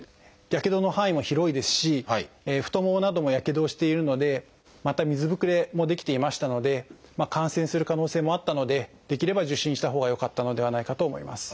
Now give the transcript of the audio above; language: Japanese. やけどの範囲も広いですし太ももなどもやけどをしているのでまた水ぶくれも出来ていましたので感染する可能性もあったのでできれば受診したほうがよかったのではないかと思います。